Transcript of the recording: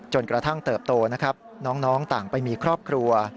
จนกระทั่งเติบโตนะครับน้องต่างไปมีครอบครัว